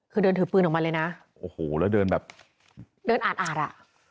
คือเดินถือปืนออกมาเลยนะโอ้โหแล้วเดินแบบเดินอาดอาดอ่ะ